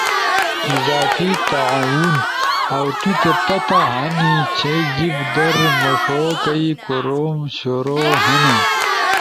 اضافی تعاون، اؤ تو تے پتہ ہنی چھے جیب در مݜو کئی کوروم شروع ہنو